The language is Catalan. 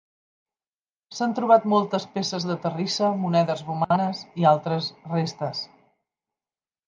S'han trobat moltes peces de terrissa, monedes romanes i altres restes.